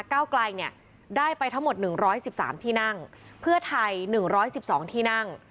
ก้าวไกลเนี่ยได้ไปทั้งหมด๑๑๓ที่นั่งเพื่อไทย๑๑๒ที่นั่ง